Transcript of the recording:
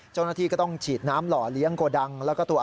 เจ้านาทีก็ต้องฉีดน้ำหล่อเลี้ยงกระดัง